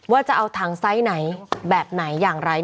ว่าจะเอาถังไซส์ไหนแบบไหนอย่างไร